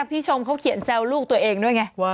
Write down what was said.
พี่ชมเขาเขียนแซวลูกตัวเองด้วยไง